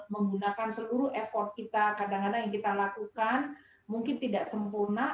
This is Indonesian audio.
menggunakan seluruh effort kita kadang kadang yang kita lakukan mungkin tidak sempurna